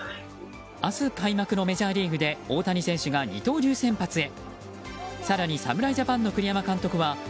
明日開幕のメジャーリーグで大谷選手が二刀流先発へ。